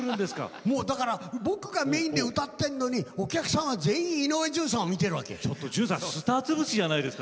だから、僕がメインで歌ってるのにお客さんは全員井上順さんを見てるわけ。